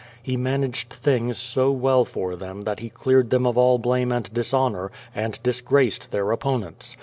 He managed things so well for them that he cleared them of all blame and dishonour, and disgraced their opponents.